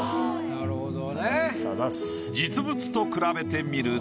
なるほど。